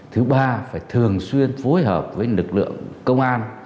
thứ ba phải thường xuyên phối hợp với lực lượng công an